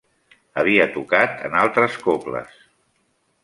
Havia tocat en altres cobles.